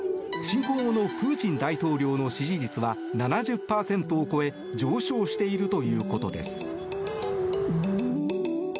侵攻後プーチン大統領の支持率は７０％を超え上昇しているということです。